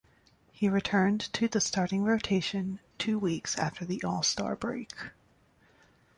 He returned to the starting rotation two weeks after the All-Star break.